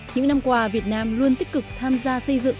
những năm qua việt nam luôn tích cực tham gia xây dựng